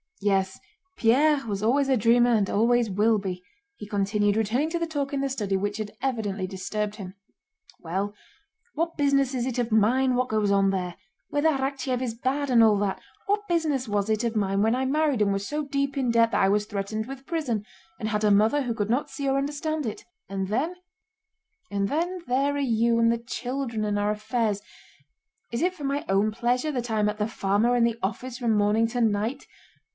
"Yes, Pierre always was a dreamer and always will be," he continued, returning to the talk in the study which had evidently disturbed him. "Well, what business is it of mine what goes on there—whether Arakchéev is bad, and all that? What business was it of mine when I married and was so deep in debt that I was threatened with prison, and had a mother who could not see or understand it? And then there are you and the children and our affairs. Is it for my own pleasure that I am at the farm or in the office from morning to night?